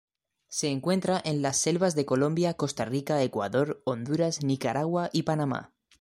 Se encuentra en las selvas de Colombia, Costa Rica, Ecuador, Honduras, Nicaragua y Panamá.